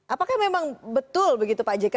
apakah memang betul begitu pak jk